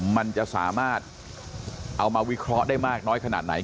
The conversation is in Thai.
มันจะสามารถเอามาวิเคราะห์ได้มากน้อยขนาดไหน